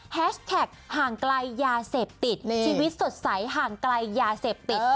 แท็กห่างไกลยาเสพติดชีวิตสดใสห่างไกลยาเสพติด